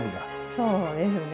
そうですね。